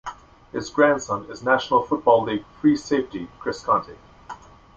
His grandson is National Football League free safety Chris Conte.